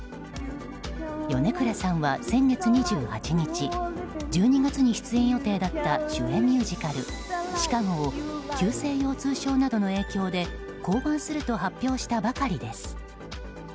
米倉さんは先月２８日１２月に出演予定だった主演ミュージカル「ＣＨＩＣＡＧＯ」を急性腰痛症などの影響で降板すると発表したばかりです。